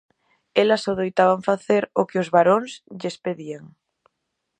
Elas adoitaban facer o que os varóns lles pedían.